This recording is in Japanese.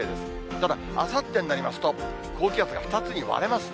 ただ、あさってになりますと、高気圧が２つに割れますね。